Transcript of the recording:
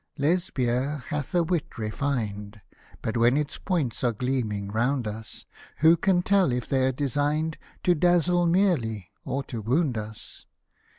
Lesbia hath a wit refined. But, when its points are gleaming round us, Who can tell if they're designed To dazzle merely, or to wound us